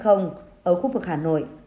ở khu vực hà nội